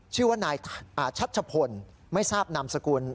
ชื่อว่านายชัชพลไม่ทราบนามสกุล